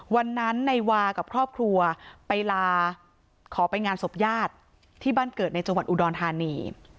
วันนั้นนายวากับครอบครัวไปลาขอไปงานศพญาติที่บ้านเกิดในจังหวัดอุดรธานี